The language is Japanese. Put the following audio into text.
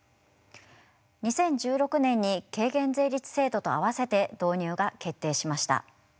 ２０１６年に軽減税率制度と併せて導入が決定しました。